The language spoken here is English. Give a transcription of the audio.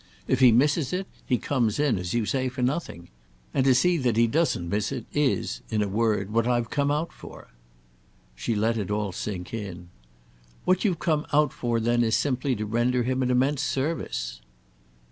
If he misses it he comes in, as you say, for nothing. And to see that he doesn't miss it is, in a word, what I've come out for." She let it all sink in. "What you've come out for then is simply to render him an immense service."